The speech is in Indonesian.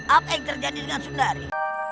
apa yang terjadi dengan sundari